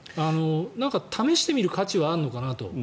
試してみる価値はあるのかなと。